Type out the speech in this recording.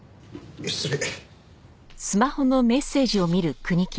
失礼。